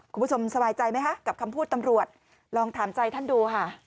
สบายใจไหมคะกับคำพูดตำรวจลองถามใจท่านดูค่ะ